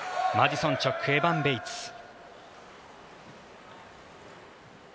マディソン・チョークエバン・ベイツ。